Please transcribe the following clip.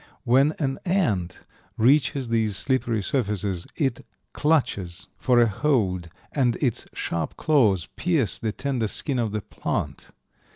When an ant reaches these slippery surfaces it clutches for a hold and its sharp claws pierce the tender skin of the plant.